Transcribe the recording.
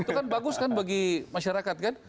itu kan bagus kan bagi masyarakat kan